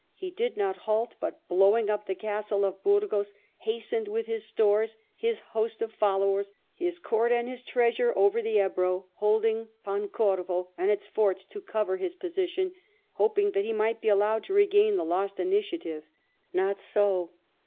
He did not halt, but, blowing up the castle of Burgos, hastened with his stores, his host of followers, his court and his treasure, over the Ebro, holding Pancorvo and its forts to cover his position, hoping that he might be allowed to regain the lost initiative. Not so.